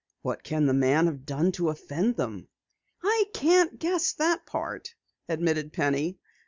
"What can the man have done to offend them?" "I can't guess that part," admitted Penny.